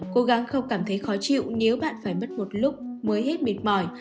cố gắng không cảm thấy khó chịu nếu bạn phải mất một lúc mới hết mệt mỏi